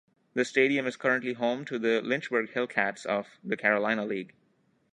The stadium is currently home to the Lynchburg Hillcats of the Carolina League.